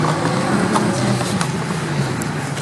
Deborah Smith en Twitter